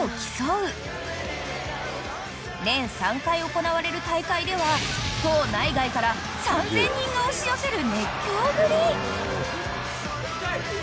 ［年３回行われる大会では島内外から３，０００人が押し寄せる熱狂ぶり］